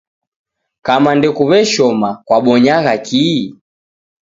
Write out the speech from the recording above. Kama ndokuw'eshoma, kwabonyagha kihi?